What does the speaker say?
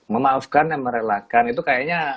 memaafkan dan merelakan itu kayaknya